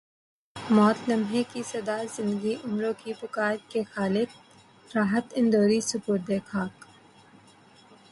موت لمحے کی صدا زندگی عمروں کی پکار کے خالق راحت اندوری سپرد خاک